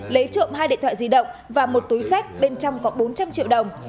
lấy trộm hai điện thoại di động và một túi sách bên trong có bốn trăm linh triệu đồng